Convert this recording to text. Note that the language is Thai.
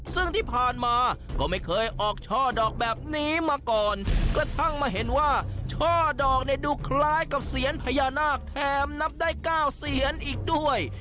ซึ่งที่ผ่านมาก็ไม่เคยออกช่อดอกแบบนี้มาก่อนกระทั่งมาเห็นว่าช่อดอกเนี่ยดูคล้ายกับเซียนพญานาคแถมนับได้๙เสียนอีกด้วย